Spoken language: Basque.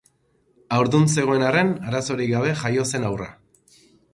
Haurdun zegoen arren arazorik jabe jaio zen haurra.